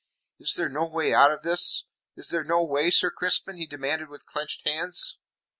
Is there no way out of this? Is there no way, Sir Crispin?" he demanded with clenched hands.